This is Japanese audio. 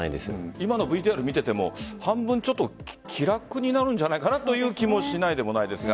今のＶＴＲを見ていても半分、ちょっと気楽になるんじゃないかなという気もしないでもないですが。